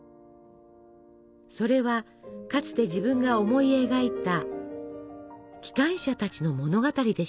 それはかつて自分が思い描いた機関車たちの物語でした。